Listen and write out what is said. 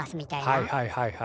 はいはいはいはい。